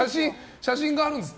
写真があるんですって。